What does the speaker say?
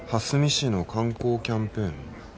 市の観光キャンペーン？